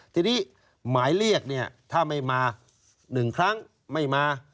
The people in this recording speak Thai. ทีนี้หมายเรียกเนี่ยถ้าไม่มา๑ครั้งไม่มา